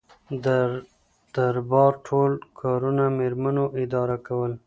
د دربار ټول کارونه میرمنو اداره کول.